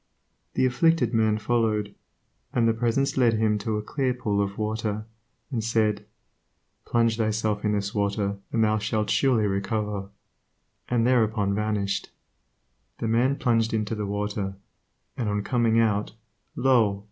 The afflicted man followed, and the Presence led him to a clear pool of water, and said, "Plunge thyself in this water and thou shalt surely recover," and thereupon vanished. The man plunged into the water, and on coming out, Io!